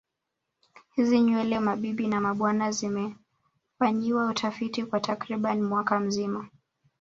Hizi nywele mabibi na mabwana zimefanyiwa utafiti kwa takriban mwaka mzima